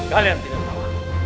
kalian tidak tahu